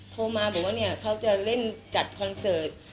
โทรมาบอกว่าเนี่ยเขาจะเล่นจัดคอนเสิร์ต